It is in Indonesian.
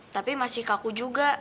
tapi masih kaku juga